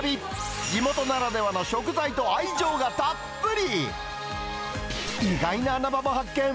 地元ならではの食材と愛情がたっぷり。